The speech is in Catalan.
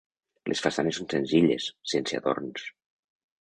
Les façanes són senzilles, sense adorns.